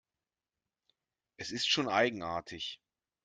Es ist schon eigenartig.